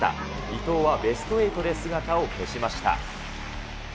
伊藤はベスト８で姿を消しました。